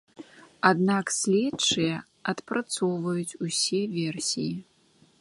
Аднак следчыя адпрацоўваюць усе версіі.